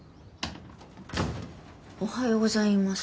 おはようございます。